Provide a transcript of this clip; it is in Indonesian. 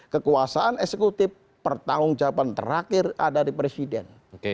kekuasaan eksekutif pertanggung jawaban terakhir ada di presiden